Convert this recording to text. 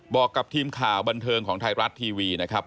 บอกกับทีมข่าวบันเทิงของไทยรัฐทีวีนะครับ